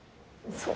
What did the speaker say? そう？